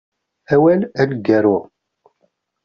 Awal aneggaru.